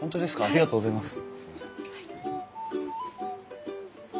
ありがとうございます。